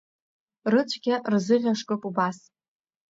Рыцәгьа рзыӷьашкып убас…